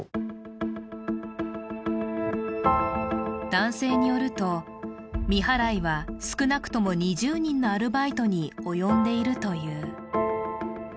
男性によると、未払いは少なくとも２０人のアルバイトに及んでいるという。